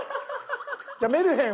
じゃあ「メルヘン」。